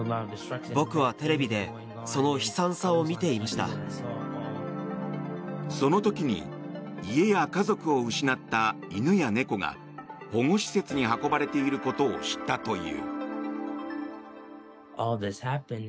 その時に家や家族を失った犬や猫が保護施設に運ばれていることを知ったという。